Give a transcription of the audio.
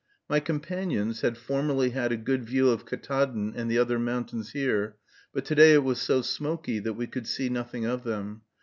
My companions had formerly had a good view of Ktaadn and the other mountains here, but to day it was so smoky that we could see nothing of them.